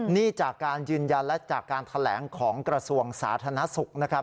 นี่จากการยืนยันและจากการแถลงของกระทรวงสาธารณสุขนะครับ